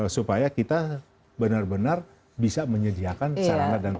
supaya kita benar benar bisa menyediakan sarana dan